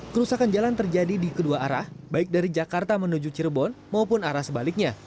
kerusakan jalan terjadi di kedua arah baik dari jakarta menuju cirebon maupun arah sebaliknya